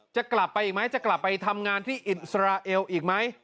จะกลับไปอีกไหมจะกลับไปทำงานที่อิสราเอลอีกไหม